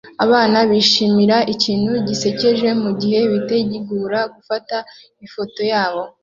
Abana bishimira ikintu gisekeje mugihe bitegura gufata ifoto yabo